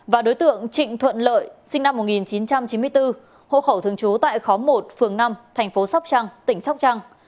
và đối tượng trịnh thuận lợi sinh năm một nghìn chín trăm chín mươi bốn hộ khẩu thường trú tại khóm một phường năm thành phố sóc trăng tỉnh sóc trăng